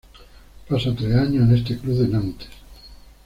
Pasa tres años en este club de Nantes.